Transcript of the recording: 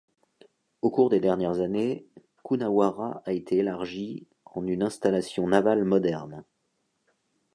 Au cours des dernières années Coonawarra a été élargi en une installation navale moderne.